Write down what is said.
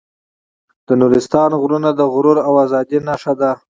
د نورستان غرونه د غرور او ازادۍ نښه ده.